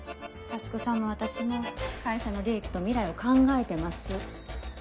匡さんも私も会社の利益と未来を考えてます。